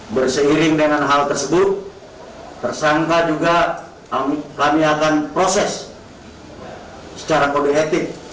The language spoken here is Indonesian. berseiring dengan hal tersebut tersangka juga kami akan proses secara kode etik